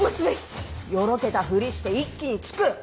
よろけたフリして一気に突く！